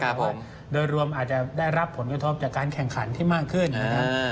เพราะโดยรวมอาจจะได้รับผลกระทบจากการแข่งขันที่มากขึ้นนะครับ